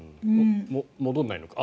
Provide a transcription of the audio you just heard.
戻らないのか。